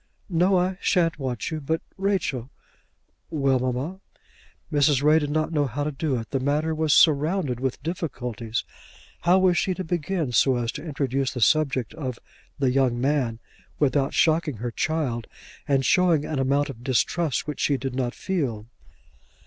"No; I shan't want you. But Rachel " "Well, mamma?" Mrs. Ray did not know how to do it. The matter was surrounded with difficulties. How was she to begin, so as to introduce the subject of the young man without shocking her child and showing an amount of distrust which she did not feel?